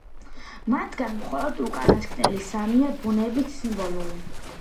მათგან მხოლოდ უკანასკნელი სამია ბუნებით სიმბოლური.